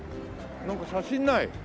なんか写真ない？